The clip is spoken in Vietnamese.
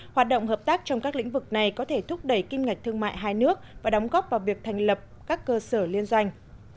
hoạt động hợp tác trong các lĩnh vực này có thể thúc đẩy kim ngạch thương mại hai nước và đóng góp vào việc thành lập các cơ sở liên doanh